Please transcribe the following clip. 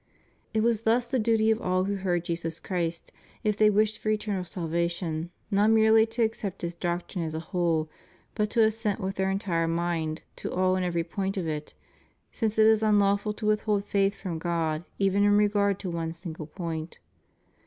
It was thus the duty of all who heard Jesus Christ, if they wished for eternal salvation, not m.erely to accept His doctrine as a whole, but to assent with their entire mind to all and every point of it, since it is unlawful to withhold faith from God even in regard to one single point.